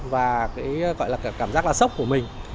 và cảm giác là sốc của mình